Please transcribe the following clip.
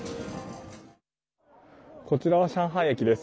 こちらは上海駅です。